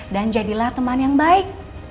dan jadilah teman yang baik